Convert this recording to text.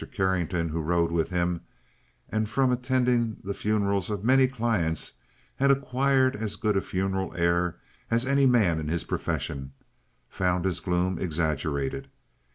Carrington, who rode with him, and from attending the funerals of many clients had acquired as good a funeral air as any man in his profession, found his gloom exaggerated.